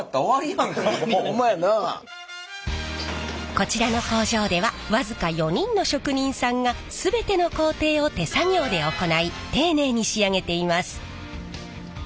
こちらの工場では僅か４人の職人さんが全ての工程を手作業で行い丁寧に仕上げています。